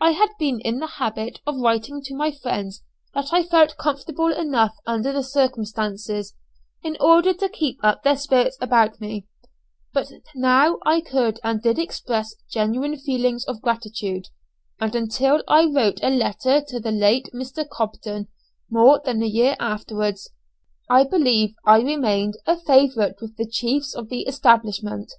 I had been in the habit of writing to my friends that I felt comfortable enough under the circumstances, in order to keep up their spirits about me, but now I could and did express genuine feelings of gratitude, and until I wrote a letter to the late Mr. Cobden, more than a year afterwards, I believe I remained a favourite with the chiefs of the establishment.